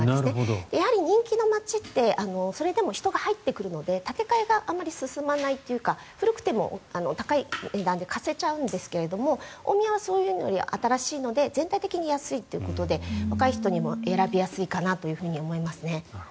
やはり人気の街ってそれでも人が入ってくるので建て替えがあまり進まないというか古くても高い値段で貸せちゃうんですが大宮はそういうので新しいので全体的に安いということで若い人にも選びやすいかなと思いますね。